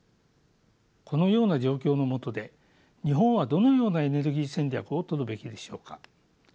このような状況のもとで日本はどのようなエネルギー戦略をとるべきでしょうか。